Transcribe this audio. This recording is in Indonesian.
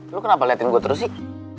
lo kenapa liatin gue terus sih